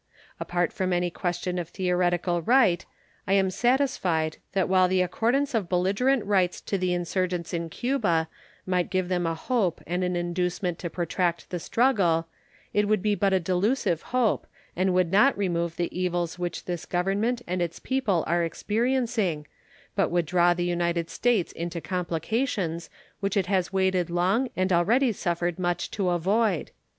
Apart from any question of theoretical right, I am satisfied that while the accordance of belligerent rights to the insurgents in Cuba might give them a hope and an inducement to protract the struggle, it would be but a delusive hope, and would not remove the evils which this Government and its people are experiencing, but would draw the United States into complications which it has waited long and already suffered much to avoid.